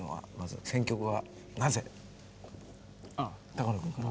高野君から。